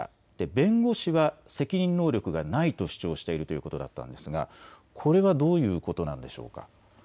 弁護士は責任能力がないと主張しているということだったんですが、これはどういうことなんでしょうか。